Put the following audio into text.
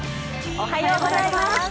おはようございます。